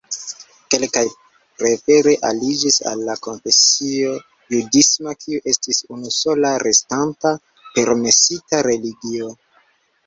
Kelkaj prefere aliĝis al konfesio judisma, kiu estis unusola restanta permesita religio.